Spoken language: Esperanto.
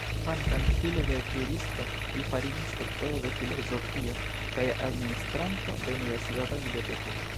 Kvankam filo de kuiristo, li fariĝis doktoro de filozofio kaj administranto de universitata biblioteko.